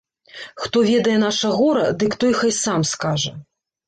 Хто ведае наша гора, дык той хай сам скажа.